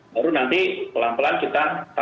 baru nanti pelan pelan kita tangani penyetelan